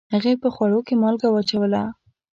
هغې په خوړو کې مالګه واچوله